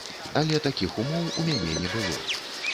Але такіх ўмоў у мяне не было.